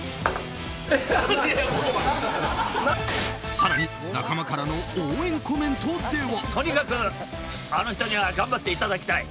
更に、仲間からの応援コメントでは。